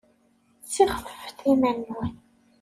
Ssixfefet iman-nwen!